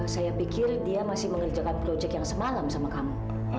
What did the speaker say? saya pikir dia masih mengerjakan proyek yang semalam sama kamu